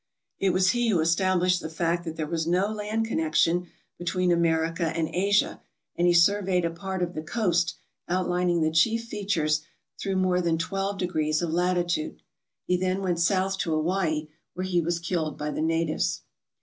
It was he who established the fact that there was no land connection between America and Asia, and he surveyed a part of the coast, outlining the chief features through more than twelve degrees of latitude. He then went south to Hawaii, where he was killed by the natives.